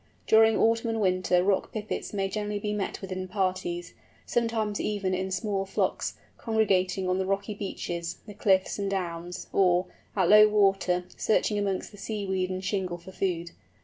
During autumn and winter Rock Pipits may generally be met with in parties, sometimes even in small flocks, congregating on the rocky beaches, the cliffs, and downs, or, at low water, searching amongst the seaweed and shingle for food.